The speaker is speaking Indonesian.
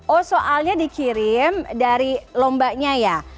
oh soalnya dikirim dari lombanya ya